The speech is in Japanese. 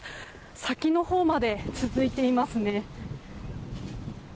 先のほうまで続いていますね。